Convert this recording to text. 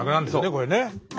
これね。